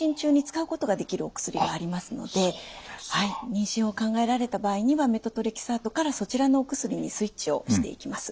妊娠を考えられた場合にはメトトレキサートからそちらのお薬にスイッチをしていきます。